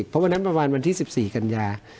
เพราะวันนั้นประมาณวันที่๑๔กันยา